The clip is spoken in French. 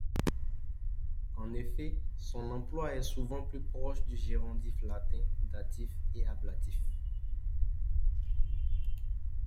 En effet son emploi est souvent plus proche du gérondif latin datif et ablatif.